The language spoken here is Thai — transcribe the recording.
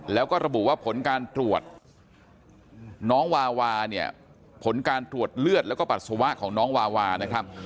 แล้วก็ระบุว่าผลการตรวจน้องวาวาเนี่ยผลการตรวจเลือดแล้วก็ปัสสาวะของน้องวาวานะครับ